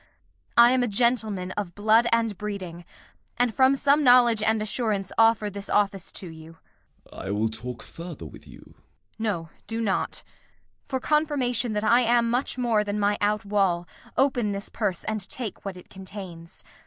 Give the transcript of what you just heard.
I am a gentleman of blood and breeding, And from some knowledge and assurance offer This office to you. Gent. I will talk further with you. Kent. No, do not. For confirmation that I am much more Than my out wall, open this purse and take What it contains.